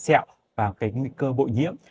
sẹo và cái nguy cơ bội nhiễm